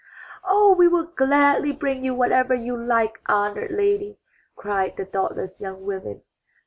'* ''Oh, we will gladly bring you whatever you like, honored lady!" cried the thoughtless young women.